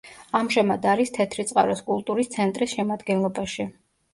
ამჟამად არის თეთრიწყაროს კულტურის ცენტრის შემადგენლობაში.